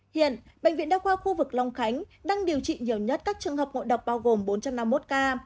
hiện bệnh viện đa khoa khu vực long khánh đang điều trị nhiều nhất các trường hợp ngộ độc bao gồm bốn trăm năm mươi một ca